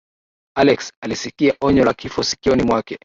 alex alisikia onyo la kifo sikioni mwake